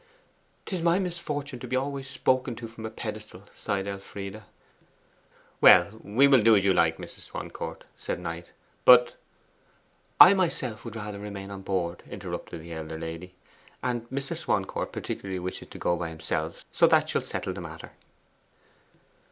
''Tis my misfortune to be always spoken to from a pedestal,' sighed Elfride. 'Well, we will do as you like, Mrs. Swancourt,' said Knight, 'but ' 'I myself would rather remain on board,' interrupted the elder lady. 'And Mr. Swancourt particularly wishes to go by himself. So that shall settle the matter.